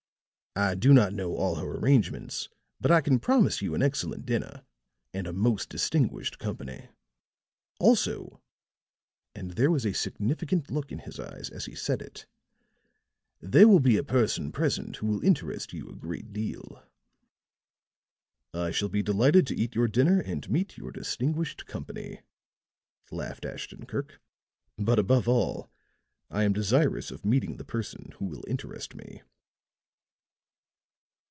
"I do not know all her arrangements, but I can promise you an excellent dinner and a most distinguished company. Also," and there was a significant look in his eyes as he said it, "there will be a person present who will interest you a great deal." "I shall be delighted to eat your dinner and meet your distinguished company," laughed Ashton Kirk. "But, above all, I am desirous of meeting the person who will interest me."